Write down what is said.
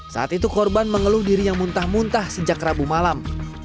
saat itu korban mengeluh diri yang muntah muntah sejak rabu malam